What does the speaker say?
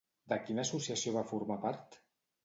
De quina associació va formar part?